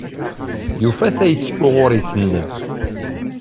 Yufa tayet uɣur isenned.